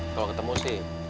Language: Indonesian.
kalau ketemu sih